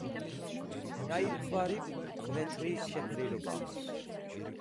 ნაირგვარი, მკვეთრი შეფერილობა აქვთ.